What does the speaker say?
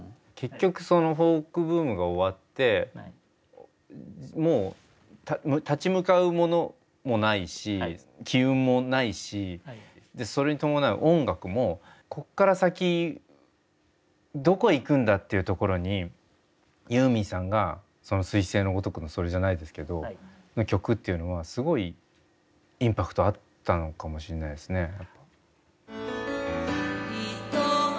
結局フォークブームが終わってもう立ち向かうものもないし機運もないしそれに伴う音楽もこっから先どこ行くんだっていうところにユーミンさんがすい星のごとくのそれじゃないですけど曲っていうのはすごいインパクトあったのかもしんないですね。